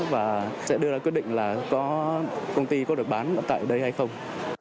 và sẽ đưa ra quyết định là có công ty có được bán tại đây hay không